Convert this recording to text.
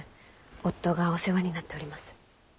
夫がお世話になっております。